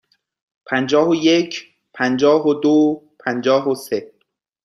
پنجاه و یک، پنجاه و دو، پنجاه و سه.